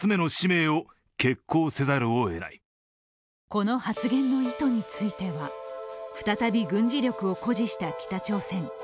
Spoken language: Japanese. この発言の意図については再び軍事力を固辞した北朝鮮。